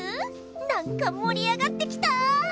なんかもり上がってきたぁ！